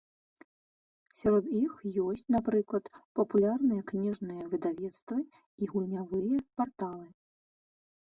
Сярод іх ёсць, напрыклад, папулярныя кніжныя выдавецтвы і гульнявыя парталы.